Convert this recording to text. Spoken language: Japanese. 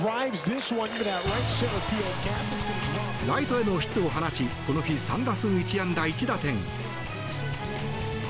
ライトへのヒットを放ちこの日３打数１安打１打点。